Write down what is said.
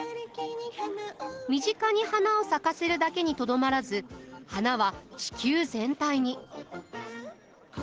身近に花を咲かせるだけにとどまらず花は地球全体に。